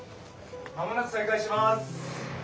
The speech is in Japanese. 間もなく再開します！